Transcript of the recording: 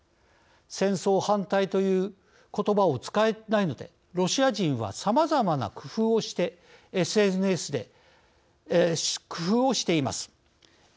戦争反対ということばを使えないのでロシア人はさまざまな工夫をしてＳＮＳで工夫をしています。